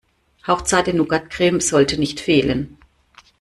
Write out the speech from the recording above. Hauchzarte Nougatcreme sollte nicht fehlen.